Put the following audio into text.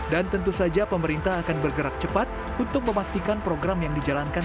dan tentu saja pemerintah akan bergerak cepat untuk memastikan program yang dijalankan